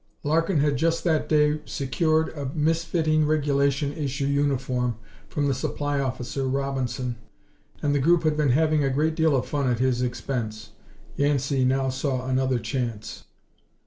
Larkin had just that day secured a misfitting regulation issue uniform from the Supply Officer, Robinson, and the group had been having a great deal of fun at his expense. Yancey now saw another chance.